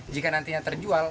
jika nantinya terjual